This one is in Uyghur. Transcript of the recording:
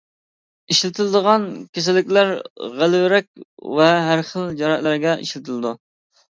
ئىشلىتىلىدىغان كېسەللىكلەر غەلۋىرەك ۋە ھەر خىل جاراھەتلەرگە ئىشلىتىلىدۇ.